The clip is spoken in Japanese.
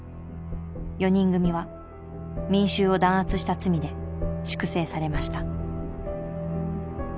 四人組は民衆を弾圧した罪で粛清されました。